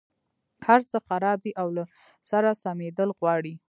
هرڅه خراب دي او له سره سمېدل غواړي.